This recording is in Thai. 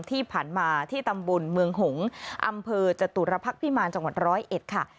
ที่ผ่านมาที่ตำบลเมืองหงษ์อำเภอจตุรพักษ์พิมารจังหวัดร้อยเอ็ดค่ะ